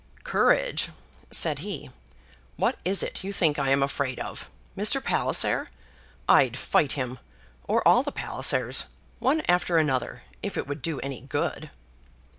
"Courage!" said he "What is it you think I am afraid of? Mr. Palliser? I'd fight him, or all the Pallisers, one after another, if it would do any good."